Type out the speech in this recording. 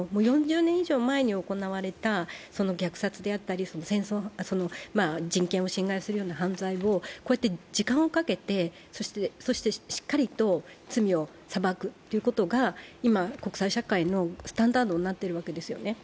４０年以上前に行われた虐殺であったり人権を侵害するような犯罪を時間をかけて、そしてしっかりと罪を裁くということが今、国際社会のスタンダードになっているわけですよね。